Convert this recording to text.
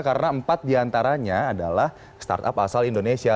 karena empat diantaranya adalah startup asal indonesia